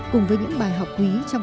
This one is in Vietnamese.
cùng với những bài học quý trong công ty